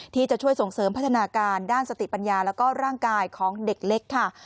ที่จะช่วยส่งเสริมพัฒนาการด้านสติปัญญาแล้วก็ร่างกายของเด็กเล็กค่ะ